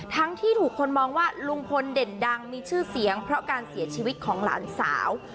ที่ถูกคนมองว่าลุงพลเด่นดังมีชื่อเสียงเพราะการเสียชีวิตของหลานสาว